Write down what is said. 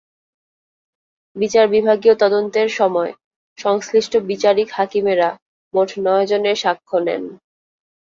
বিচার বিভাগীয় তদন্তের সময় সংশ্লিষ্ট বিচারিক হাকিমেরা মোট নয়জনের সাক্ষ্য নেন।